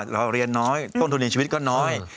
เราเรียนน้อยต้นทุนในชีวิตก็น้อย